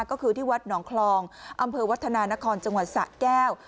ก็คือที่วัดหนองคลองอำเภอวัฒนานครจังหวัดสะแก้ว